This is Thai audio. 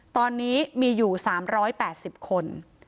ตอนนี้มีอยู่๓๘๐คน